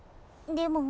でも。